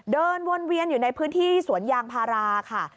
เดินวนเวียนอยู่ในพื้นที่สวนยางพาราค่ะ